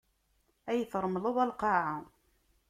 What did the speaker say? Ay tṛemleḍ a lqaɛa!